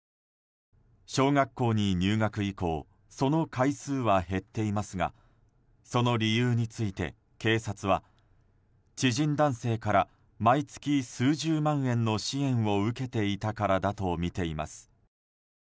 小学校に入学以降その回数は減っていますがその理由について警察は知人男性から毎月、数十万円の支援を受けていたからだとみています。